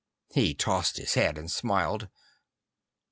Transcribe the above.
He tossed his head and smiled.